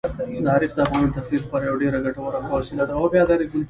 تاریخ د افغانانو د تفریح لپاره یوه ډېره ګټوره او ښه وسیله ده.